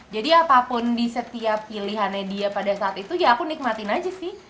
jadi apapun di setiap pilihannya dia pada saat itu ya aku nikmatin aja sih